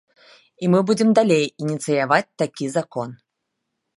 І мы будзе далей ініцыяваць такі закон.